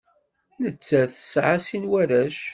Nettat tesɛa sin n warrac.